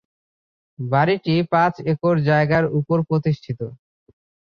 বাড়িটি পাঁচ একর জায়গার উপর প্রতিষ্ঠিত।